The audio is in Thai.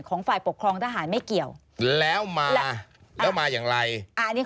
ฝ่ายปกครองทหารไม่เกี่ยวแล้วมาแล้วมาอย่างไรอันนี้